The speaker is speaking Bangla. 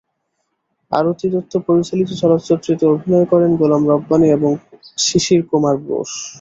আরতি দত্ত পরিচালিত চলচ্চিত্রটিতে অভিনয় করেন গোলাম রব্বানি এবং শিশির কুমার বোস।